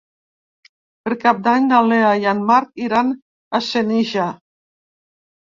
Per Cap d'Any na Lea i en Marc iran a Senija.